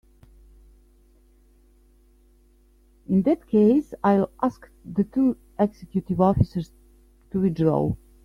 In that case I'll ask the two executive officers to withdraw.